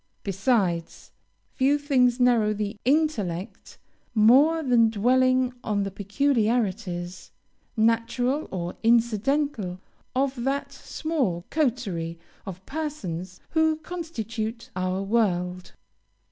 Besides, few things narrow the intellect more than dwelling on the peculiarities, natural or incidental, of that small coterie of persons who constitute our world.